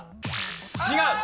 違う。